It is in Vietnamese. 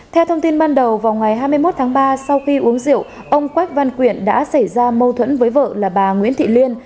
theo thông tin ban đầu vào ngày hai mươi một tháng ba sau khi uống rượu ông quách văn quyện đã xảy ra mâu thuẫn với vợ là bà nguyễn thị liên